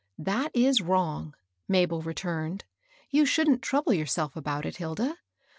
That is wrong," Mabel returned. "You shouldn't trouble yourself about it, Hilda.